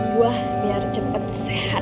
buah biar cepet sehat